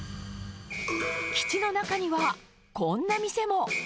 基地の中には、こんな店も。